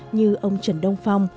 như ông trần đông phong